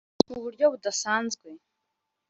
mu buryo budasanzwe